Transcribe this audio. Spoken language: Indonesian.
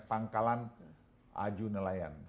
pangkalan aju nelayan